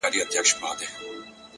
ستا زړه ته خو هر څوک ځي راځي گلي _